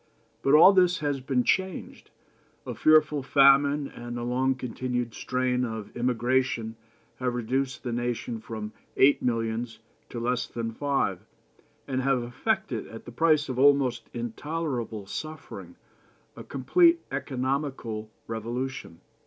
But all this has been changed. A fearful famine and the long continued strain of emigration have reduced the nation from eight millions to less than five, and have effected, at the price of almost intolerable suffering, a complete economical revolution.